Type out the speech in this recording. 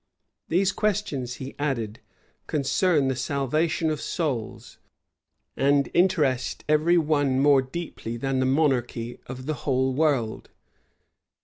These questions, he added, concern the salvation of souls, and interest every one more deeply than the monarchy of the whole world.